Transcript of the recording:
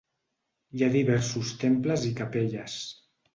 Hi ha diversos temples i capelles.